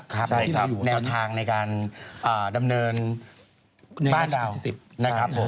ครับที่เราอยู่ในแนวทางในการดำเนินบ้านดาวน์